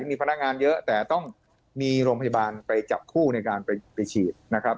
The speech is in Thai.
มีพนักงานเยอะแต่ต้องมีโรงพยาบาลไปจับคู่ในการไปฉีดนะครับ